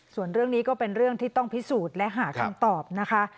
ส่วนเรื่องนี้ก็เป็นเรื่องที่ต้องพิสูจน์และหาคำตอบนะคะ